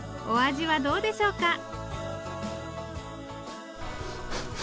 お味はどうでしょうか。